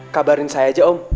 kabarin saya aja om